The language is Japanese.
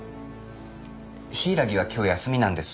柊は今日休みなんです。